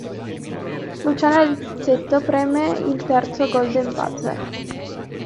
Luciana Littizzetto preme il terzo "golden buzzer".